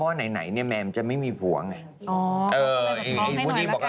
เพราะว่าไหนเนี่ยแมนมันจะไม่มีผัวไง